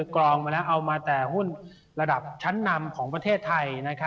กรองมาแล้วเอามาแต่หุ้นระดับชั้นนำของประเทศไทย